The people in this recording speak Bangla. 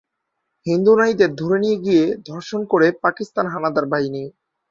হিন্দু নারীদের ধরে নিয়ে গিয়ে ধর্ষণ করে পাকিস্তান হানাদার বাহিনী।